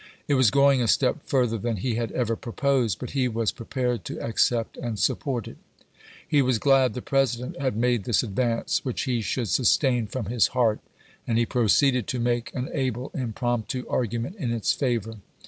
It was going a step further than he had ever proposed, but he was prepared to accept and support it. He was glad the President had made this advance, which he should sustain from his heart, and he proceeded to make an able impromptu argument in its favor.